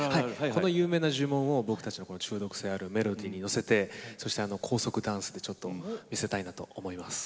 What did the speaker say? この有名な呪文を僕たちの中毒性あるメロディーに乗せてそして高速ダンスでちょっと見せたいなと思います。